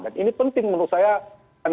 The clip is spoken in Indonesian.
dan ini penting menurut saya